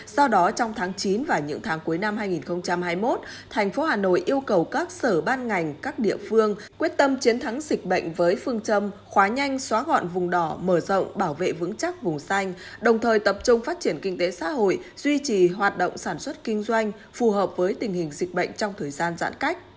do đó trong tháng chín và những tháng cuối năm hai nghìn hai mươi một thành phố hà nội yêu cầu các sở ban ngành các địa phương quyết tâm chiến thắng dịch bệnh với phương châm khóa nhanh xóa gọn vùng đỏ mở rộng bảo vệ vững chắc vùng xanh đồng thời tập trung phát triển kinh tế xã hội duy trì hoạt động sản xuất kinh doanh phù hợp với tình hình dịch bệnh trong thời gian giãn cách